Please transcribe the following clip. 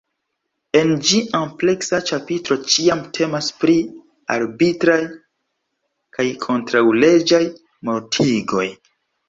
En ĝi ampleksa ĉapitro ĉiam temas pri “arbitraj kaj kontraŭleĝaj mortigoj.